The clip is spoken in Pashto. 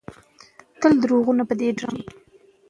هغه ښځه چې لیکنې کوي زړوره ده.